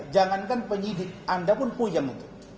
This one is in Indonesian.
jangankan penyidik anda pun punya